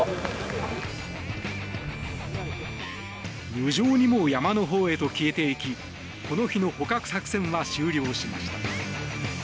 無情にも山のほうへと消えていきこの日の捕獲作戦は終了しました。